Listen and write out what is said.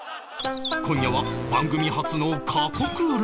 今夜は番組初の過酷ロケ